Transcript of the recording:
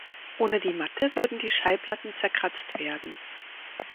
Ohne die Matte würden die Schallplatten zerkratzt werden.